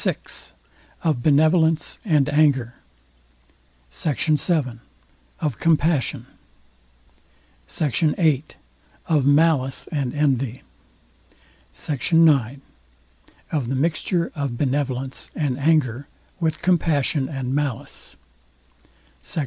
VI OF BENEVOLENCE AND ANGER SECT. VII OF COMPASSION SECT. VIII OF MALICE AND ENVY SECT. IX OF THE MIXTURE OF BENEVOLENCE AND ANGER WITH COMPASSION AND MALICE SECT.